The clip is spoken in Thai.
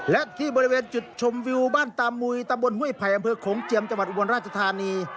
และที่บริเวณจุดชมวิวบ้านตามุยตำบลห้วยไผ่อำเภอโขงเจียมจังหวัดอุบลราชธานี